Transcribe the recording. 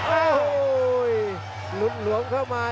โอ้โหหลุดหลวมเข้ามา